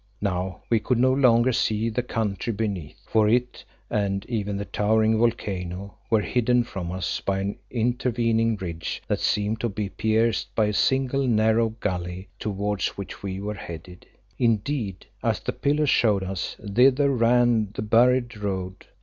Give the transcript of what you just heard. Now we could no longer see the country beneath, for it and even the towering volcano were hidden from us by an intervening ridge that seemed to be pierced by a single narrow gulley, towards which we headed. Indeed, as the pillars showed us, thither ran the buried road.